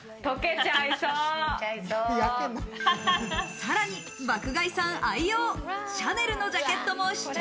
さらに爆買いさん愛用、シャネルのジャケットも試着。